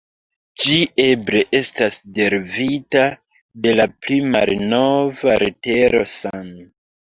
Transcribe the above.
Ĝi eble estas derivita de la pli malnova litero san.